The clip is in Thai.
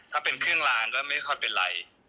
ถ้าเป็นเครื่องลางก็ไม่ค่อยเป็นไร